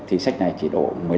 thì sách này chỉ đổ